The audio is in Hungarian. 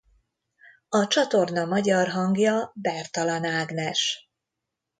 A csatorna magyar hangja Bertalan Ágnes.